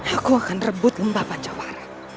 aku akan rebut lembah pancawara